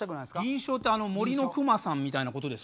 輪唱ってあの「森のくまさん」みたいなことですか？